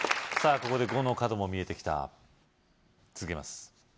ここで５の角も見えてきた続けます